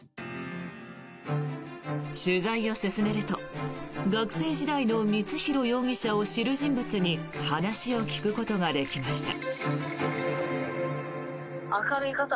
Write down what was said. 取材を進めると学生時代の光弘容疑者を知る人物に話を聞くことができました。